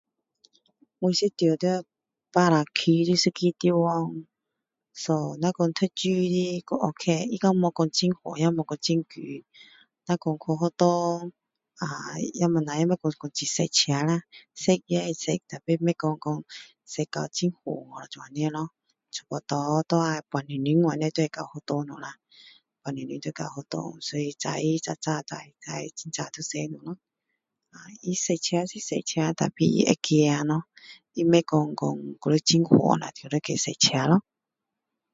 我是住在巴刹区的一个地方so若说读书的也ok也没说很远也没说很近若说去学校啊也不错也不会很塞车啦塞也是塞可是不会说塞到很远咯这样咯差不多要半个小时这样会到学校了啦半个小时到学校所以早上早早很早就要出去了咯呃它塞车是塞车可是它会走咯它不说还要很远了还要塞车咯